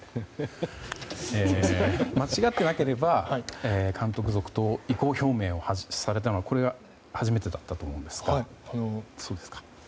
間違ってなければ監督続投の意向表明を発されたのが、これが初めてだったと思いますが。